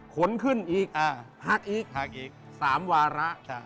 ผลขึ้นอีกพักอีก๓วาระ